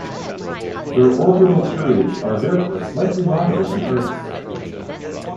Their orbital periods are therefore slightly longer than Earth's.